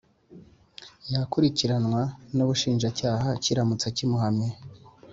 Yakurikiranwa n ‘ubushinjacyaha kiramutse kimuhamye